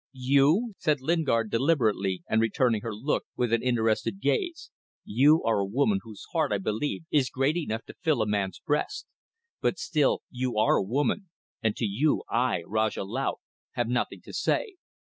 "You," said Lingard deliberately, and returning her look with an interested gaze, "you are a woman whose heart, I believe, is great enough to fill a man's breast: but still you are a woman, and to you, I, Rajah Laut, have nothing to say."